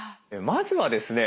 まずはですね